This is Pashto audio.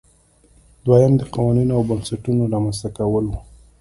دویم د قوانینو او بنسټونو رامنځته کول وو.